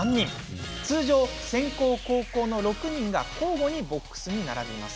通常、先攻・後攻の６人が交互にボックスに並びます。